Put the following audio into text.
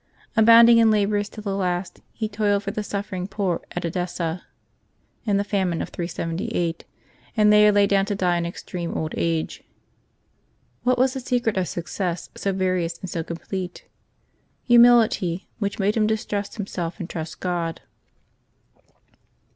Abounding in labors till the last, he toiled for the suffering poor at Edessa in the famine of 378, and there lay down to die in extreme old age. What was the secret of success so various and so com plete? Humility, which made him distrust himself and trust God.